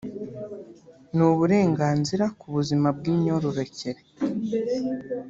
n’uburengenzira ku buzima bw’imyororokere